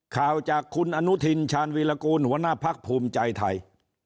ข่าวจากคุณอนุทินชาญวีรกูลหัวหน้าพักภูมิใจไทย